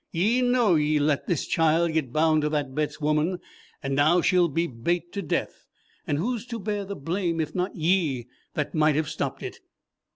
'Ye know ye let this child get bound to that Betts woman, and now she'll be bate to death, and who's to bear the blame if not ye that might have stopped it?